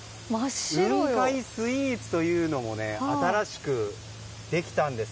雲海スイーツというのも新しくできたんです。